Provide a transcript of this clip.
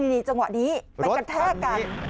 นี่จังหวะนี้ไปกระแทกกัน